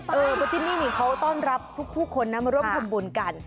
เพราะที่นี่เขาต้อนรับทุกคนนะมาร่วมทำบุญกัน